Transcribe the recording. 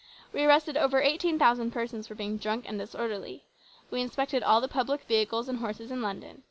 We arrested over 18,000 persons for being drunk and disorderly. We inspected all the public vehicles and horses in London.